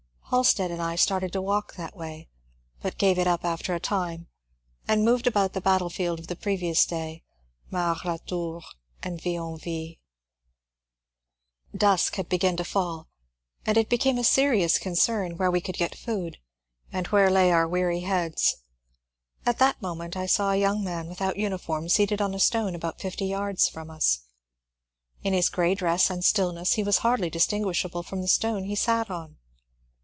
Halstead and I started to walk that way, but gave it up after a time and moved about the battlefield of the previous day, Mars la Tour and Vionville. The dusk had begun to fall, and it became a serious con cern where we could get food, and where lay our weary heads. At that moment I saw a young man without uniform seated on a stone about fifty yards from us. In his grey dress and stillness he was hardly distinguishable from the stone he sat on.